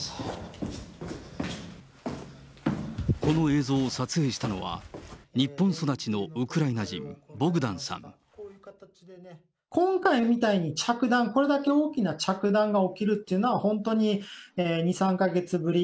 この映像を撮影したのは、日本育ちのウクライナ人、今回みたいに着弾、これだけ大きな着弾が起きるっていうのは、本当に２、３か月ぶり。